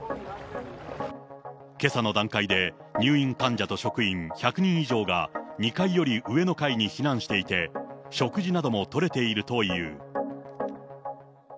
けさの段階で、入院患者と職員１００人以上が、２階より上の階に避難していて、食事などもとれているという。